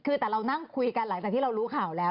คือแต่เรานั่งคุยกันหลังจากที่เรารู้ข่าวแล้ว